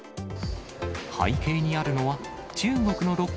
背景にあるのは、中国のロッ